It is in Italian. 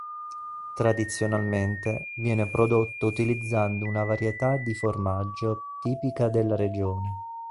Tradizionalmente viene prodotto utilizzando una varietà di formaggio tipica della regione.